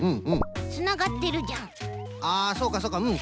あそうかそうかうん。